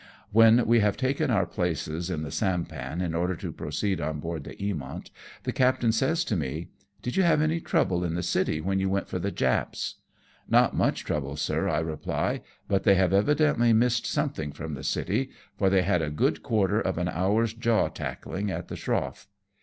"When we have taken our places in the sampan in order to proceed on board the Eaviont, the captain says to me, " Did you have any trouble in the city when you went for the Japs ?"" Not much trouble, sir," I reply ;" but they have JVE SAIL FROM SHANGHAI. 105 evidently missed something from tlie city, for they had a good quarter of an hour's jaw tackling at the schroflP."